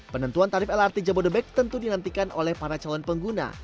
penentuan tarif lrt jabodebek tentu dinantikan oleh para calon pengguna